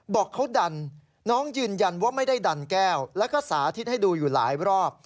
บอกเขาดันน้องยืนยันว่าไม่ได้ดันแก้วแล้วก็สาธิตให้ดูอยู่หลายรอบ